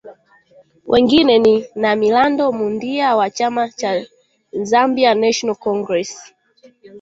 Wengine ni Namilando Mundia wa chama cha Zambia National Congress